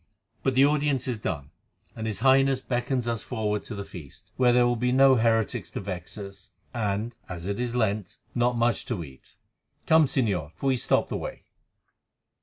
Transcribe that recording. "But the audience is done, and his Highness beckons us forward to the feast, where there will be no heretics to vex us, and, as it is Lent, not much to eat. Come, Señor! for we stop the way."